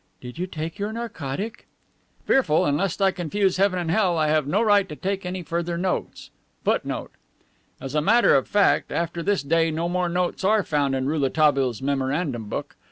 Did you take your narcotic?' "Fearful, and (lest I confuse heaven and hell) I have no right to take any further notes." As a matter of fact, after this day no more notes are found in Rouletabille's memorandum book.